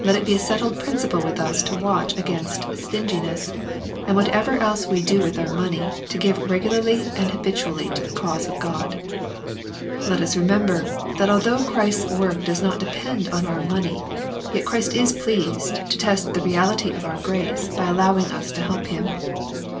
Let it be a settled principle with us to watch against stinginess, and whatever else we do with our money, to give regularly and habitually to the cause of God. — Let us remember, that although Christ'fL work does not de pend on our money, yet Christ is pleased to test the real ity of our grace by allowing us to help Him.